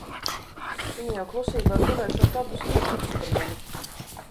Viņa jau klusībā turēšot abus īkšķus par mani.